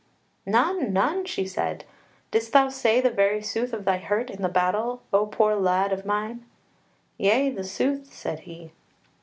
"None, none!" she said, "Didst thou say the very sooth of thy hurt in the battle, O poor lad of mine?" "Yea, the sooth," said he.